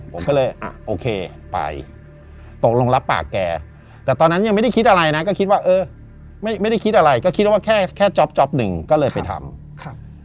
ผมก็เลยอ่ะโอเคไปตกลงรับปากแกแต่ตอนนั้นยังไม่ได้คิดอะไรนะก็คิดว่าเออไม่ได้คิดอะไรก็คิดว่าแค่แค่จ๊อปหนึ่งก็เลยไปทำครับ